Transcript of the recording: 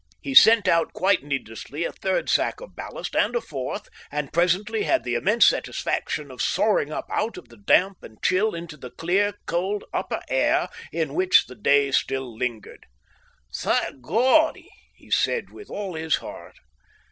He sent out quite needlessly a third sack of ballast and a fourth, and presently had the immense satisfaction of soaring up out of the damp and chill into the clear, cold, upper air in which the day still lingered. "Thang God!" he said, with all his heart.